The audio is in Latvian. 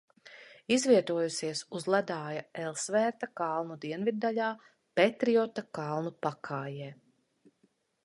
Izvietojusies uz ledāja Elsvērta kalnu dienviddaļā Petriota kalnu pakājē.